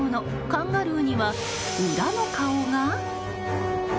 カンガルーには裏の顔が。